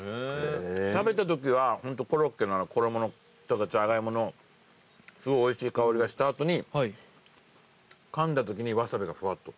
食べたときはホントコロッケの衣とかジャガイモのすごいおいしい香りがした後にかんだときにワサビがふわっと。